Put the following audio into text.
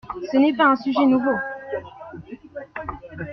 Ce n’est pas un sujet nouveau.